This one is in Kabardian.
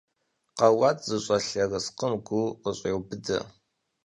Къэуат зыщӀэлъ ерыскъым гур къыщӀеубыдэ.